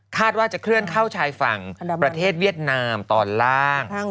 ว่าจะเคลื่อนเข้าชายฝั่งประเทศเวียดนามตอนล่าง